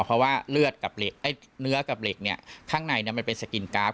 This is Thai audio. เพราะว่าเลือดกับเหล็กเอ้ยเนื้อกับเหล็กเนี้ยข้างในเนี้ยมันเป็นสกินกราฟ